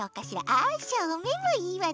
あしょうめんもいいわね。